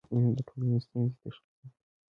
علم د ټولنې ستونزې تشخیصوي.